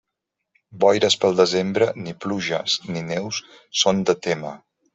Boires pel desembre, ni pluges ni neus són de témer.